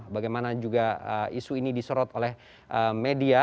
bagaimana juga isu ini disorot oleh media